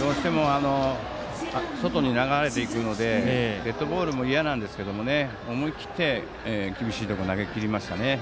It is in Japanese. どうしても外に流れていくのでデッドボールも嫌なんですけど思い切って厳しいところ投げきりましたね。